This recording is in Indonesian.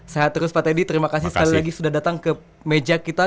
sehat terus pak teddy terima kasih sekali lagi sudah datang ke meja kita